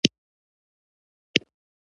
امتیازات یې کم کړي ول.